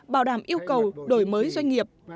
bảo đảm yêu cầu đổi mới doanh nghiệp